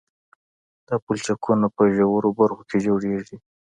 دا پلچکونه په ژورو برخو کې جوړیږي